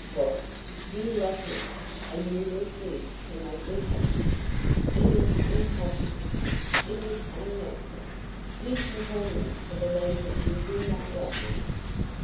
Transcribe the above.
"What! you love me, and you refuse to make me happy! It is impossible! it is unnatural. You compel me to believe that you do not love me.